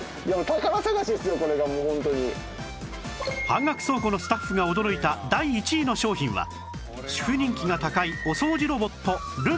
半額倉庫のスタッフが驚いた第１位の商品は主婦人気が高いお掃除ロボットルンバ